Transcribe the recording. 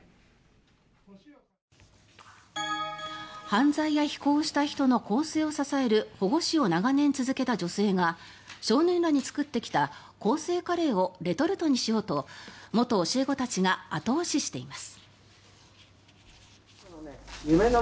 犯罪や非行をした人の更生を支える保護司を長年続けてきた女性が少年らに作ってきた更生カレーをレトルトにしようと元教え子たちが後押ししています。